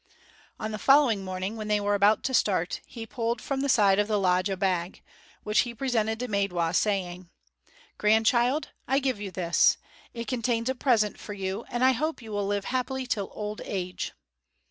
On the following morning, when they were about to start, he pulled from the side of the lodge a bag, which he presented to Maidwa, saying: "Grandchild, I give you this; it contains a present for you; and I hope you will live happily till old age."